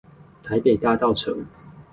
台北大稻埕